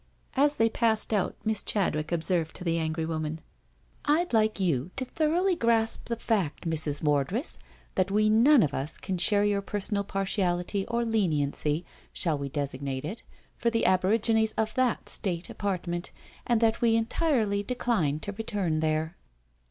As they passed out. Miss Chadwick observed to the angry woman, "I'd like you to thoroughly grasp the fact, Misses Wardress, that we none of us can share your personal partiality or leniency, shall we designate it, for the aborigines of that state apartment, and that we entirely decline to return there."